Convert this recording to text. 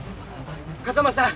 風真さん